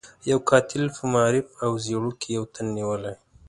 يو قاتل په معروف او زيړوک کې يو تن نيسي.